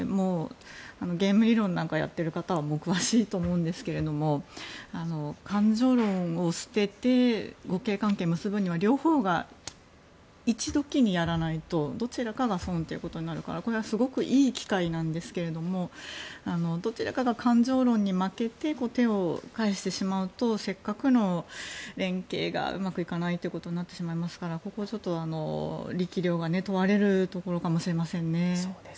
ゲーム理論なんかやっている方は詳しいと思うんですが感情論を捨てて互恵関係を結ぶには両方が一時にやらないとどちらかが損ということになるからこれはすごくいい機会なんですがどちらかが感情論に負けて手を返してしまうとせっかくの連携がうまくいかないということになってしまいますからここは力量が問われるところかもしれませんね。